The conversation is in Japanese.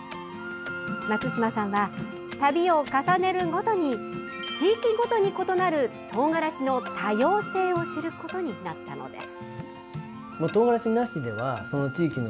松島さんは旅を重ねるごとに地域ごとに異なるトウガラシの多様性を知ることになったのです。